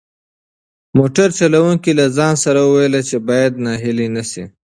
موټر چلونکي له ځان سره وویل چې باید ناهیلی نشي.